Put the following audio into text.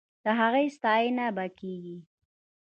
د هغه ستاينه به کېږي.